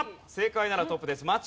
正解ならトップです。